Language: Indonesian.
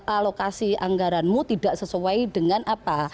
alokasi anggaranmu tidak sesuai dengan apa